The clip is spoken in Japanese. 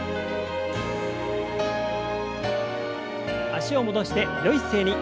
脚を戻してよい姿勢に。